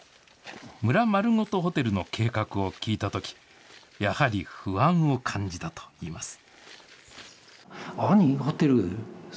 村まるごとホテルの計画を聞いたとき、やはり不安を感じたといいます。